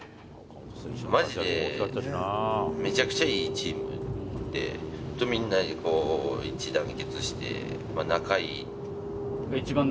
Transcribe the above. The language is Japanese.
まじで、めちゃくちゃいいチームで、本当、みんなで一致団結して、仲がいい。